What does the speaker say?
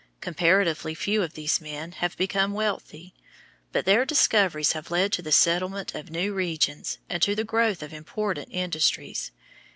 Comparatively few of these men have become wealthy, but their discoveries have led to the settlement of new regions and to the growth of important industries.